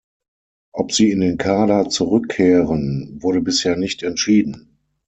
Ob sie in den Kader zurückkehren, wurde bisher nicht entschieden.